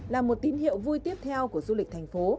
là một tín hiệu vui tiếp theo của du lịch thành phố